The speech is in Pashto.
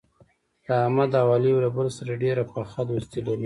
د احمد او علي یو له بل سره ډېره پخه دوستي لري.